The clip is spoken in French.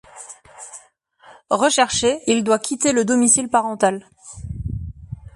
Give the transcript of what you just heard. Recherché, il doit quitter le domicile parental.